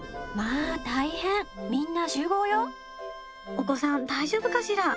お子さん大丈夫かしら？